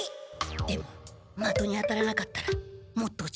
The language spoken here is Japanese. でもまとに当たらなかったらもっと落ちこむ。